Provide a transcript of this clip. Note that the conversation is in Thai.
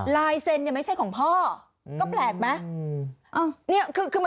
ลายเซ็นต์เนี่ยไม่ใช่ของพ่อก็แปลกไหม